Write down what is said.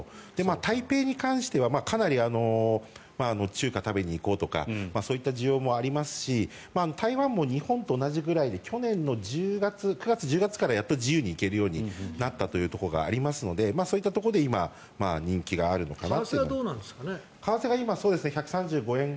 台北に関してはかなり中華を食べに行こうとかそういった需要もありますし台湾も日本と同じくらいで去年の９月、１０月からやっと自由に行けるようになったってことがありますのでそういったところで今人気があるのかなと。